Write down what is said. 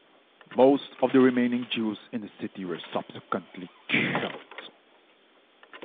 Most of the remaining Jews in the city were subsequently killed.